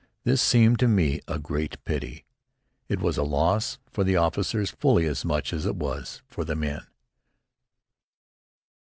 This seemed to me a great pity. It was a loss for the officers fully as much as it was for the men.